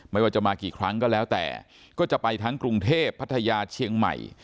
ไม่ว่าจะมากี่ครั้งก็แล้วแต่ก็จะไปทั้งกรุงเทพพัทยาเชียงใหม่